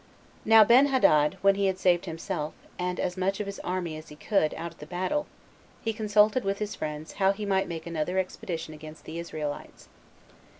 3. Now Benhadad, when he had saved himself, and as much of his army as he could, out of the battle, he consulted with his friends how he might make another expedition against the Israelites.